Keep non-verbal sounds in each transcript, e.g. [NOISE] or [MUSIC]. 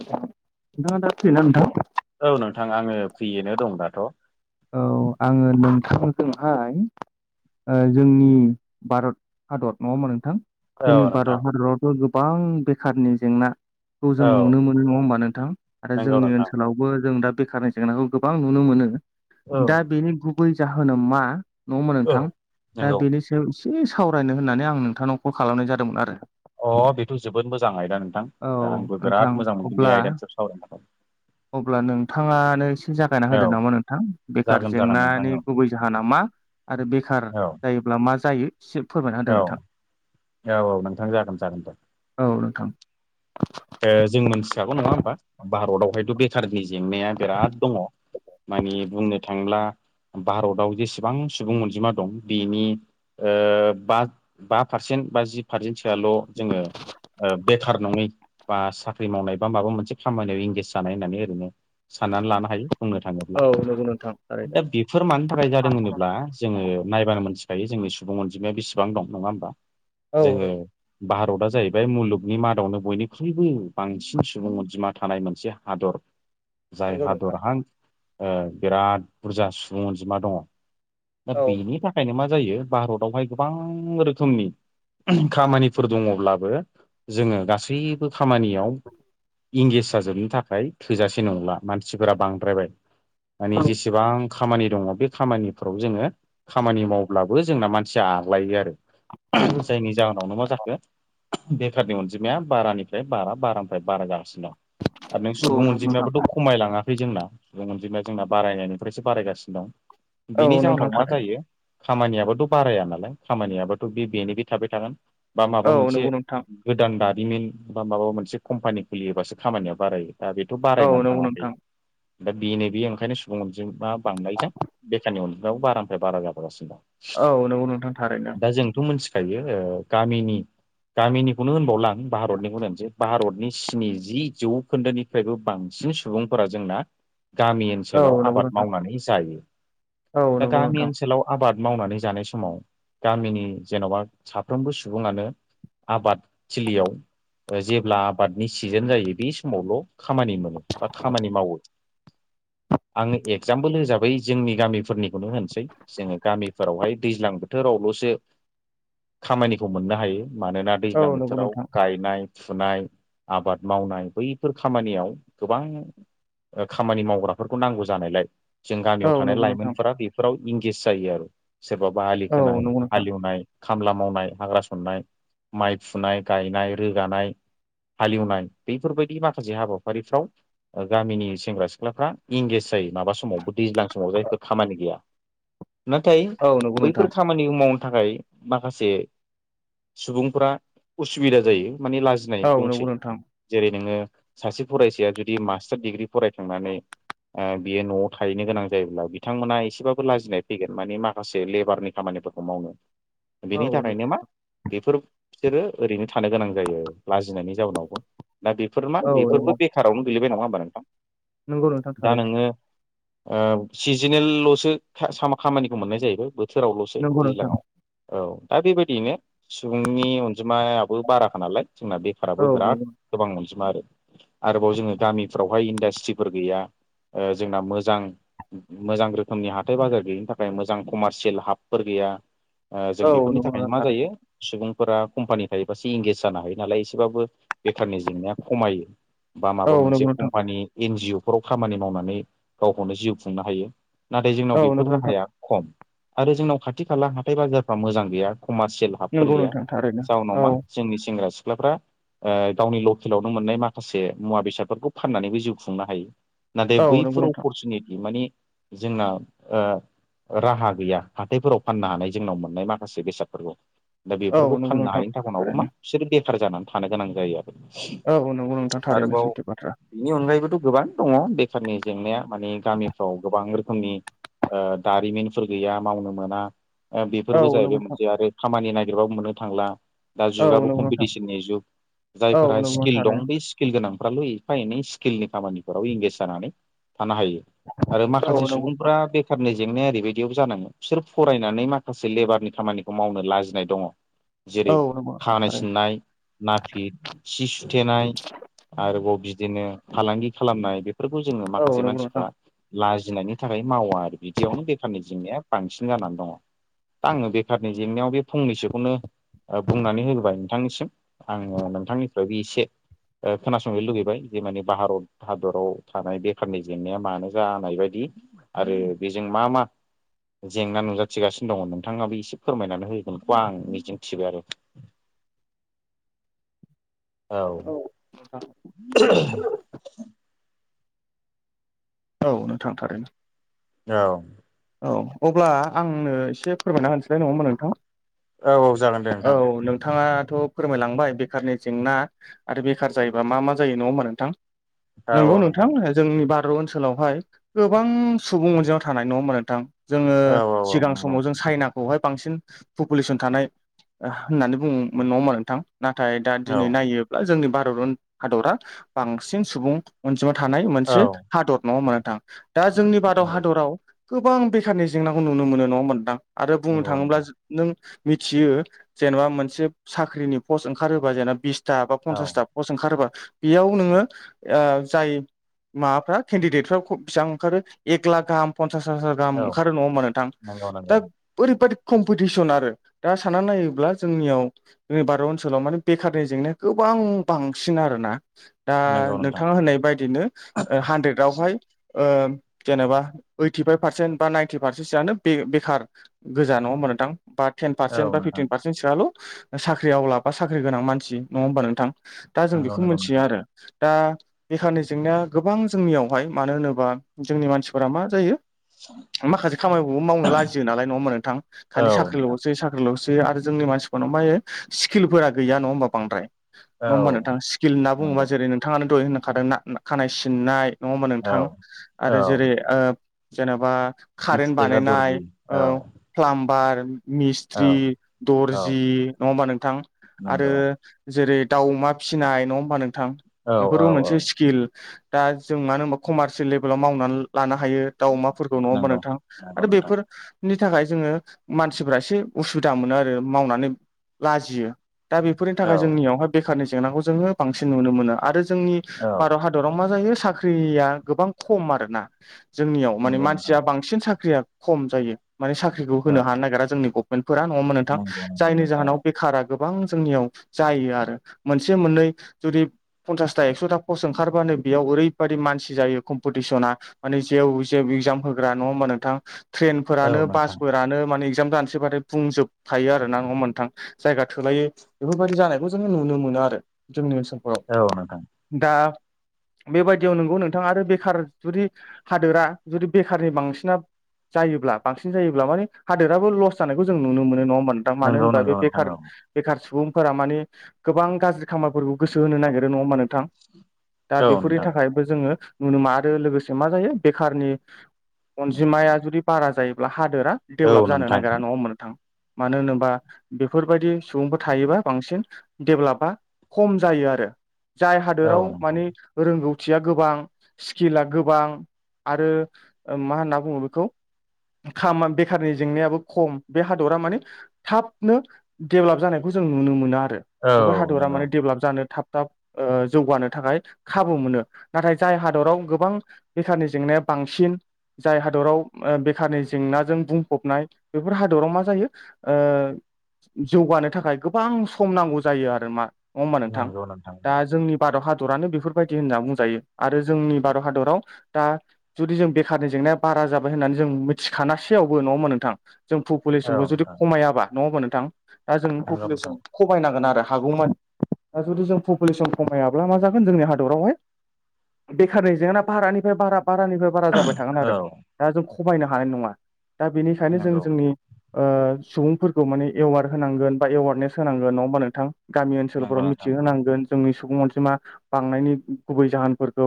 नोंथाङा दा फ्रिना नोंथां औ नोंथां आङो फ्रियैनो दं दाथ' औ आङो नोंथांजोंहाय जोंनि भारत हादर नङा होमबा नोंथां जोंनि नोंथां भारत हादरावथ' गोबां बेखारनि जेंना खौ जों औ नुनो मोनो नङा होमबा नोंथां? आरो नंगौ जोंनि नोंथां ओनसोलाव बो जों दा बेखारनि जेंनाखौ गोबां नुनो मोनो। औ दा बेनि गुबै जाहोना मा नङा होमबा औ नोंथां? दा नंगौ बेनि एसे सावरायनो होननानै आं नोंथांनाव कल खालामनाय जादोंमोन आरो। अ बेथ' जोबोद मोजां आयदा नोंथां औ दा आंबो नोंथां बिराद मोजां मोनगोन अब्ला बे आयदानि सायाव सावरायनो अब्ला नोंथाङानो एसे जागायना थाखाय होदो औ नामा नों थां बेखार जागोन जागोन नोंथां जेंनानि औ गुबै जाहोना मा आरो बेखार औ जायोब्ला मा जायो सि फोरमायना होदो औ नोंथां। औ औ नोंथां जागोन जागोन दे औ नोंथां। ओ जों मोनथिखागौ नङा होमबा भारतावहायथ' बे बेखारनि जेंनाया बिराद दङ माने बुंनो थाङोब्ला भारताव जेसेबां सुबुं अनजिमा दं बेनि ओ बा-बा पारसेन्ट बा जि फारसेन्थियाल' जोङो बेखार नङै बा साख्रि मावनाय बा माबा मोनसे खामानियाव एंगेज जानाय होननानै ओरैनो साननानै लानो हायो। बुंनो थाङोब्ला औ नंगौ नोंथां थारैनो दा बेफोर मानि थाखाय जादों होनोब्ला जोङो नायबानो मोनथिखायो जोंनि सुबुं अनजिमाया बेसेबां दं नङा होमबा? औ जोङो नंगौ भारतआ जाहैबाय मुलुगनि मादावनो बयनिख ख्रुइबो बांसिन सुबुं अनजिमा थानाय मोनसे हादर जाय नंगौ नोंथां हादरहां ओ बिराद बुरजा सुबुं अनजिमा दङ। दा औ नंगौ बेनि थाखायनो मा जायो भारतावहाय गोबां रोखोमनि खामानिफोर दङब्लाबो जोङो गासैबो खामानियाव इंगेज जाजोबनो थाखाय थोजासे नंला मानसिफोरा बांद्रायबाय माने जेसेबां खामानि दङ बे खामानिफ्राव जोङो खामानि मावब्लाबो जोंना मानसिया आग्लायो आरो। जायनि जाहोनावनो मा जाखो बेखारनि अनजिमाया बारानि फ्राय बारा बारानिफ्राय बारा जागासिनो दं आरो नों सुबुं अनजिमायाबोथ' खमायलाङाखै जोंना सुबुं अनजिमाना जोंना बारायनायनिफ्रायसो बारायगासिनो दं बिनि औ नंगौ नोंथां औ नोंथां जाहोनाव मा थारैनो जायो खामानियाबाथ' बाराया नालाय खामानियाबाथ' बेनि बे थाबाय थागोन। बा माबा औ मोनसे नंगौ नोंथां गोदान दारिमिन बा माबा मोनसे कम्पानि खुलियोबासो खामानिया बारायो। दा बेथ' औ बारायनानै नंगौ थाङाखै नोंथां दा बेनो बेयो ओंखायनो सुबुं अनजिमा बांनायजों बेखारनि अनजिमायाबो बारानिफ्राय बारा जाबोगासिनो दं। औ नंगौ नोंथां थारैनो दा जोंथ' मोनसि फायो ओ गामिनि गामिनिखौनो होनबावला आं भारतनि होनसै भारतनि स्निजि जौखोन्दोनिफ्रायबो बांसिन सुबुंफोरा जोंना गामि औ ओनसोलाव नंगौ आबाद नोंथां मावनानै जायो औ दा गामि नंगौ ओनसोलाव आबाद मावनानै जानाय समाव गामिनि जेन'बा साफ्रोमबो सुबुङानो आबाद थिलियाव जेब्ला आबादनि सिजोन जायो बे समावल' खामानि मोनो बा खामानि मावो। आङो एगजामपोल हिसाबै जोंनि गामिफोरनिखौनो होनसै। जोङो गामिफोरावहाय दैज्लां बोथोरावल'सो खामानिखौ मोननो हायो मानोना दैज्लां बोथोराव नोंथां गायनाय सुनाय आबाद मावनाय बैफोर खामानियाव गोबां ओ खामानि मावग्राफोरखौ नांगौ जानायलाय जों गामियाव औ थानाय नंगौ नोंथां लाइमोनफोरा बेफोराव इंगेज जायो आरो। सोरबाबा आलि औ खोनाय नंगौ नोंथां हालेवनाय खामला मावनाय हाग्रा सननाय माइ फुनाय गायनाय रोगानाय हालिवनाय बेफोरबायदि माखासे हाबाफारिफ्राव ओ गामिनि सेंग्रा सिख्लाफ्रा इंगेज जायो माबा समावबो दैज्लां समाव जायफोर खामानि गैया। नाथाय औ नंगौ नोंथां औ नंगौ नोंथां बैफोर था खामानिखौ मावनो थाखाय माखासे सुबुंफोरा उसुबिदा जायो। माने औ लाजिनाय नंगौ दंसै नोंथां जेरै नोङो सासे फरायसाया जुदि मास्टार डिग्रि फरायखांनानै बियो न'आव थाहैनो गोनां जायोब्ला बिथांमोना एसेबाबो लाजिनाय फैगोन मानि माखासे लेबारनि खामानिफोरखौ मावनो औ बेनि नंगौ थाखायनो मा बेफोर बिसोरो ओरैनो थानो गोनां जायो आरो लाजिनायनि जाउनावबो दा बेफोर मा औ बेफोरबो नंगौ बेखारावनो गोलैबाय नङा होमबा नोंथां नंगौ नोंथां दा थारैनो नोङो सिजेनेल ल'सो खामानिखौ मोननाय जाहैबाय बोथोरावल'सो नंगौ नोंथां दैज्लांआव औ दा बेबायदियैनो सुबुंनि अनजिमायाबो बाराख नालाय जोंना बे औ फोराबो बिराद नंगौ गोबां अनजिमा आरो आरोबाव जोङो गामिफ्रावहाय इन्डास्ट्रिफोर गैया जोंना मोजां मोजां रोखोमनि हाथाय बाजार गैयिनि थाखाय मोजां कमारसियेल हाबफोर गैया जों औ बेफोरनि नंगौ नोंथां थाखायनो मा थारैनो जायो सुबुंफोरा कम्पानि थायोबासो इंगेज जानो हायो नालाय एसेबाबो बेखारनि जेंनाया खमायो बा औ माबा मोनसे नंगौ नोंथां कम्पानि एन जिअ फोराव खामानि मावनानै गावखौनो जिउ खुंनो हायो नाथाय जोंनाव औ बेफोर नंगौ नोंथां राहाया खम आरो जोंनाव खाथि खाला हाथाय बाजारफ्रा मोजां गैया कमारसियेल हाबफोर नंगौ गैया नोंथां थारैनो जाउनाव औ मा जोंनि सेंग्रा सिख्लाफ्रा ओ गावनि लकेलावनो मोननाय माखासे मुवा बेसादफोरखौ फाननानैबो जिउ खुंनो हायो नाथाय औ नंगौ बैफोर नोंथां अपरसुनिटि माने जोंना राहा गैया हाथायफोराव फाननो हानाय जोंनाव मोननाय माखासे बेसादफोरखौ दा औ बेफोरखौ नंगौ फाननो नोंथां हायैनि थाखनावबो थारैनो मा बिसोरो बेखार जानानै थानो गोनां जायो आरो औ नंगौ नोंथां थारैनो सैथो बाथ्रा बेनि अनगायैबोथ' गोबां दङ बेखारनि जेंनाया माने गामिफ्राव गोबां रोखोमनि दारिमिनफोर गैया मावनो मोना औ बेफोरबो जाहैबाय नंगौ नोंथां मोनसे आरो खामानि नागिरबाबो मोननो थांला दा औ जुगाबो नंगौ नोंथां कम्पिटिसननि जुग औ जायफोरा नंगौ स्किल थारैनो दं बे स्किल गोनांफ्राल' एफा एनै स्किलनि खामानिफोराव इंगेज जानानै थानो हायो आरो औ माखासे नंगौ नोंथां सुबुंफ्रा बे खारनि जेंनाया ओरैबायदियाव जानाङो बिसोर फरायनानै माखासे लेबारनि खामानिखौ मावनो लाजिनाय दङ [INAUDIBLE] जेरै नंगौ नोंथां खानाय थारैनो सिननाय नाफि सि सुथेनाय आरोबाव बिदिनो फालांगि खालामनाय बेफोरखौ जोङो औ माखासे नंगौ नोंथां मानसिफ्रा लाजिनायनि थाखाय मावा आरो बिदियावनो बेखारनि जेंनाया बांसिन जानानै दङ दा आङो बेखारनि जेंनायाव बे फंनैसोखौनो बुंनानै होबाय नोंथांनिसिम आङो नोंथांनिफ्राय बे एसे खोनासंनो लुबैबाय जे माने भारत हादराव थानाय बेखारनि जेंनाया मानो जानाय बायदि आरो बेजों मा मा जेंना नुजाथिगासिनो दङ नोंथाङाबो एसे फोरमायनानै होगोनखौ आं मिजिंथिबाय आरो औ [INAUDIBLE] औ नोंथां थारैनो औ औ अब्ला आंनो एसे फोरमायना होनसैलाय नङा ओमबा नोंथां औ औ जागोन दे औ नोंथां नोंथाङाथ' फोरमायलांबाय बेखारनि जेंना आरो बेखार जायोबा मा मा जायो नङा होमबा नोंथां औ नोंगौ औ नोंथां जोंनि भारत ओनसोलावहाय गोबां सुबुं अनजिमा थानाय नङा होमबा नोंथां जोङो औ औ सिगां औ समाव जों चाइनाखौहाय बांसिन पपुलेसन थानाय होननानै बुंङोमोन नङा होमबा नोंथां नाथाय दा दिनै नायोब ब्ला जोंनि भारत हादरा बांसिन सुबुं अनजिमा थानाय मोनसे हादर नङा होमबा नोंथां दा जोंनि भारत नंगौ हादराव गोबां बेखारनि जेंनाखौ नुनो मोनो नङा होमबा नोंथां आरो बुंनो थाङोब्ला नों मिथियो जेनबा मोनसे साख्रिनि पस्ट ओंखारोबा जेनेबा बिसथा बा औ औ पनसासथा पस ओंखारोबा बेयाव नोङो जाय माबाफ्रा केन्डिदेटफ्रा बेसिबां ओंखारो एक लाख गाहाम पन्सास हाजार गाहाम ओंखारो नङा होमबा नोंथां नंगौ नंगौ दा ओरैबादि कम्पिटिसन आरो साननानै नायोब्ला जोंनियाव जोंनि भारत ओनसोलाव माने बेखारनि जेंनाया गोबां बांसिन आरोना। दा नोंथाङा होननाय बायदिनो हानद्रेदावहाय ओ जेनेबा ओइटिफाइभ पारसेन्ट बा नाइनटि पारसेन्टसोआनो बे बेखार गोजा नङा मोमबा नोंथां बा टेन औ पारसेन औ बा नंगौ फिफटिन पार्सेन्ट सोआल' साख्रि आवला साख्रि गोनां मानसि नङा होमबा नोंथां। दा जों नंगौ बेखौ नंगौ नोंथां औ नोंथां नंगौ मोनथिया नोंथां आरो। दा बेखारनि जेंनाया गोबां जोंनियावहाय मानो होनोबा जोंनि मानसिफोरा मा जायो माखासे खामानिखौबो मावनो लाजियो नालाय नङा होमबा नोंथां खालि औ साख्रिल' नोंथां हरसै सा ल'सो आरो जोंनि मानसिफोरनाव मे स्किलफोरा गैया नङा होमबा बांद्राय नङा औ होमबा नोंथाङा स्किल होन्ना बुङोबा नंगौ जेरै नोंथाङानो दहय होनखादों खानाय सिननाय नङा होमबा औ नोंथां औ आरो जेरै ओ जेनबा सि कारेन्ट सिथेग्रा बानायनाय दर्जि औ प्लामबार औ मिस्ट्रि औ दर्जि नङा होमबा नोंथां आरो नंगौ जेरै दाउ अमा फिसिनाय नङा होमबा नोंथां औ औ बेफोरबो औ मोनसे स्किल दा जों मानो होनबा कमारसियेल लेभेलाव मावनानै लानो हायो। दाउ अमाफोरखौ नङा होमबा नंगौ नोंथां नंगौ आरो नोंथां बेफोरनि थाखाय जोङो मानसिफ्रा एसे उसुबिदा मोनो आरो मावनानै लाजियो दा बे फोरनि औ थाखाय जोंनियावहाय बेखारनि जेंनाखौ जोङो बांसिन नुनो मोनो आरो जोंनि औ भारत हा हादराव मा जायो साख्रिया गोबां खम आरोना जोंनियाव मान नंगौ नोंथां मानसिया बां सिन साख्रिया खम जायो माने साख्रिखौ औ होनो हानो नागेरा जोंनि गभ फोरा नङो होमबा नोंथां नंगौ नंगौ जायनि नोंथां औ जाहोनाव बेखारा गोबां जोंनियाव जायो आरो मोनसे मोननै जुदि पन्सासथा एक्स'था पस्ट ओंखारबानो बेयाव ओरैबादि मानसि जायो कम्पिटिसना माने जेव जेव इगजाम होग्रा नङा होमबा नोंथां औ ट्रेनफोरानो नोंथां बासफोरानो माने इगजाम दानोसैबथाय बुंजोबखायो आरोना नङा होमबा नोथां। जायगा थोलायि बेफोर बायदि जानायखौ जोङो नुनो मोनो आरो जोंनि ओनसोल औ नोंथां। दा बेबायदियाव नंगौ नोंथाङा आरो बेखार जुदि हादोरा जुदि बेखारनि बांसिना जायोब्ला बांसिन जायोब्ला माने हादोराबो लस जानायखौ जों नुनो मोनो नङा होमबा नो दा मानो नंगौ होनबा नंगौ बे नोंथां बेखार औ बेखार सुबुंफोरा माने गोबां गाज्रि खामानिफोरखौ गोसो होनो नागिरो नङा होमा नोंथां। दा औ बेफोरनि नोंथां थाखायबो जोङो नुनो मोना आरो लोगोसे मा जायो बेखारनि नोंथां अनजिमाया जुदि बारा जायोब्ला हादोरा औ डेभेलप जानो नोंथां नागिरा नङा होनबा नों थां मानो होनोबा बेफोर बायदि सुबुंफोर थायोबा बांसिन डेभलपा खम जायो आरो जाय औ हादोराव नोंथां मानि रोंगौथिया गोबां स्किला गोबां आरो ओ मा होनना बुङो बेखौ खामा बेखारनि जेंनायाबो खम बे हादरा मानि थाबनो दडेभेलप जानायखौ जों नुनो मोनो आरो। औ बेफोर हादरा नंगौ माने डेभेलप जानो थाब थाब ओ जौगानो थाखाय खाबु मोनो नाथाय जाय हादराव गोबां बेखारनि जेंनाया बांसिन जाय हादराव ओ बेखारनि जेंनाजों बुंफबनाय बे बेफोर हादराव मा जायो ओ जौगानो थाखाय गोबां सम नांगौ जायो आरो मा नङा होमबा नोंथां नंगौ दा औ जोंनि भारत हादरानो बेफोर बायदि होनना बुंजायो आरो जोंनि भारत हादराव दा जुदि जों बेखारनि जेंनाया बारा जाबाय होननानै जों मिथिखानासैयावबो नङा होमबा नोंथां? जों औ पपुलेसनखौ जुदि नोंथां खमायाबा नङबा नोंथां दा जों नंगौ नोंथां पपुलेसन खमायनांगोन आरो हागौमानि दा जुदि जों पपुलेसन खमायाब्ला मा जागोन जोंनि हादरावहाय बेखारनि जेंना बारानिफ्राय बारा बारानिफ्राय बारा जाबाय थागोन औ आरो दा जों खमायनो हानाय नङा दा बेनिखायनो जों नंगौ नि ओ सुबुंफोरखौ माने एवार् होनांगोन बा एवारनेस होनांगोन नङा होमबा नोंथां? गामि नंगौ ओनसोलफोराव नोंथां मिथिहोनांगोन जोंनि सुबुं अनजिमा बांनायनि गुबै जाहोनफोरखौ।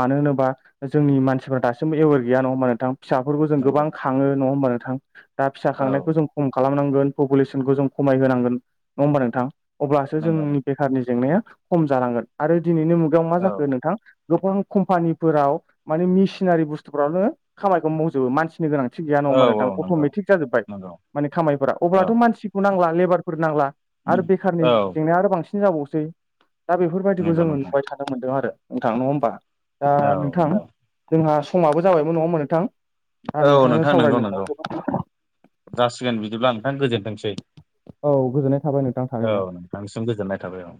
मानो होनोबा जोंनि मानसिफ्रा दासिमबो एवेर गैया नङा होनबा नोंथां? फिसाफोरखौ जों गोबां नंगौ खाङो नङा होमबा नोंथां दा फिसा औ खांनायखौ जों खम खालामनांगोन पपुलेसनखौ जों खमायहांगोन नङा होमबा नोंथां? अब्लासो नंगौ जोंनि नोंथां बेखारनि जेंनाया खम जालांगोन आरो दिनैनि मुगायाव मा औ जाखो नोंथां? गोबां कम्पानिफोराव माने मेसिनारि बुस्थुफोराव नोङो खामायखौ मावजोबो मानसि गोनांथि गैया नङा औ होनबा नोंथां औ नंगौ अट'मेटिक जाबाय नंगौ माने खामायफोरा औ अब्लाथ' मानसिखौ नांला लेबारफोर नांला आरो बेखारनि औ जे जें नाय आरो बांसिन जाबावसै दा बेफोरबायदिखौ नंगौ जोङो नोंथां नुबाय थानो मोनदों आरो नोंथां नङा होमबा? दा औ नोंथां नंगौ जोंहा समाबो जाबायबो नङा नोंथां? आ औ नोंथांजों नोंथां नंगौ नंगौ सावरायलांनाय जासिगोन बिदिब्ला नोंथां गोजोनथोंसै औ गोजोननाय थाबाय नोंथां औ थारैनो थांनिसिम गोजोन्नाय थाबाय औ